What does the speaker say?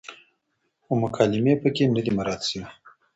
خو مکالمې پکې نه دي مراعت شوې،